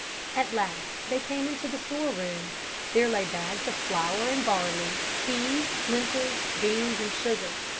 At last they came into the store room. There lay bags of flour and barley, teas, lentils, beans and sugar.